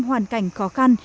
hoàn cảnh khó khăn